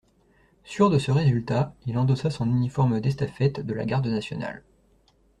Sûr de ce résultat, il endossa son uniforme d'estafette de la garde nationale.